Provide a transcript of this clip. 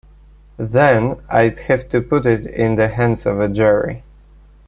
Then I'd have to put it in the hands of a jury.